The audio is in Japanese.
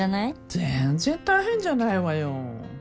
全然大変じゃないわよ。